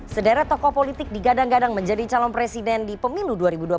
sederet tokoh politik digadang gadang menjadi calon presiden di pemilu dua ribu dua puluh